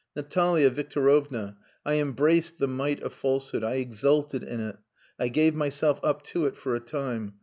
Natalia Victorovna, I embraced the might of falsehood, I exulted in it I gave myself up to it for a time.